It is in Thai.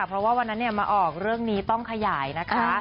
เพราะว่าวันนั้นมาออกเรื่องนี้ต้องขยายนะคะ